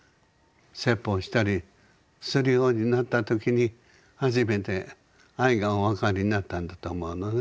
説法したりするようになった時に初めて愛がお分かりになったんだと思うのね。